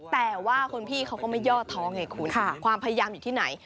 แต่ว่าคุณพี่เขาก็ไม่ยอดท้องไงคุณความพยายามอยู่ที่ไหน